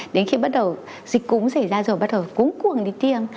đến khi bắt đầu dịch cúm xảy ra rồi bắt đầu cúm cuồng đi tiêm